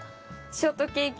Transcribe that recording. ショートケーキ。